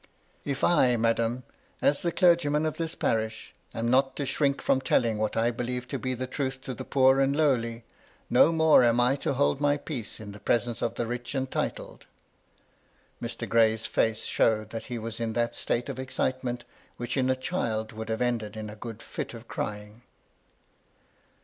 "K I, madam, as the clergyman of this parish, am not to shrink from telling what I believe to be the truth to the poor and lowly, no more am I to hold my peace in the presence of the rich and titled." Mr. Gray's face showed that he was in that state of excite ment which in a child would have ended in a good fit of crying.